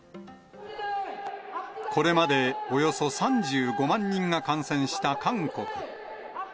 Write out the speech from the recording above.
これまで、およそ３５万人が感染した韓国。